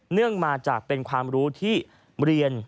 เนื่องมาจากเป็นความรู้ที่เรียน